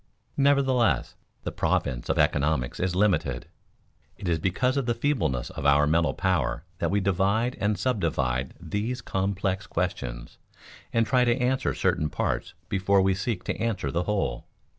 Nevertheless the province of economics is limited. It is because of the feebleness of our mental power that we divide and subdivide these complex questions and try to answer certain parts before we seek to answer the whole.